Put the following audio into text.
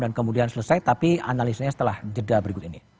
dan kemudian selesai tapi analisanya setelah jeda berikut ini